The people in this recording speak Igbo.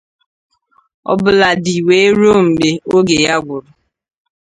ọbụladị wee ruo mgbe oge ya gwụrụ.